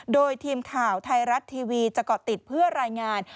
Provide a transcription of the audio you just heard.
โดยทีมข่าวไทยรัฐทีวีจะเกาะติดเพื่อรายงาน